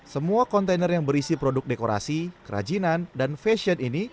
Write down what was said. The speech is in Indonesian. semua kontainer yang berisi produk dekorasi kerajinan dan fashion ini